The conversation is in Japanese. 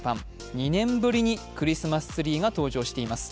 ２年ぶりにクリスマスツリーが登場しています。